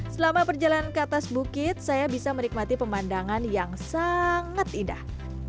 selama berjalan ke atas bukit saya bisa menikmati pemandangan yang sangat indah